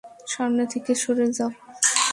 সামনে থেকে সরে যাও!